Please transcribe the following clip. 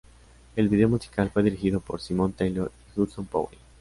El video musical fue dirigido por Simon Taylor y Hudson-Powell.